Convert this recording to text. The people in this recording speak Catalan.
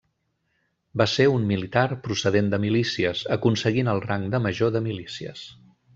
Va ser un militar procedent de milícies, aconseguint el rang de major de milícies.